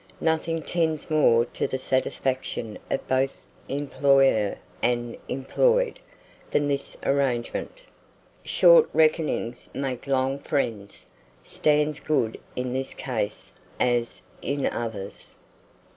Nothing tends more to the satisfaction of both employer and employed, than this arrangement. "Short reckonings make long friends," stands good in this case, as in others.